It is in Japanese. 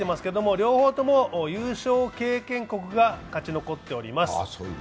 両方とも優勝経験国が勝ち残っております。